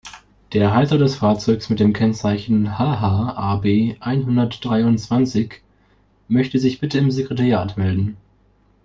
Der Halter des Fahrzeugs mit dem Kennzeichen HH-AB-einhundertdreiundzwanzig möchte sich bitte im Sekretariat melden.